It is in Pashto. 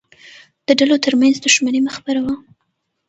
د ډلو ترمنځ دښمني مه خپروه.